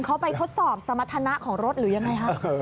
เขาไปทดสอบสมรรถนะของรถหรือยังไงฮะ